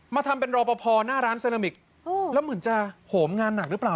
ทำเป็นรอปภหน้าร้านเซนามิกแล้วเหมือนจะโหมงานหนักหรือเปล่า